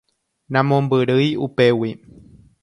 Namombyrýi upégui.